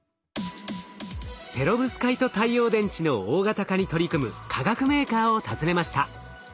ペロブスカイト太陽電池の大型化に取り組む化学メーカーを訪ねました。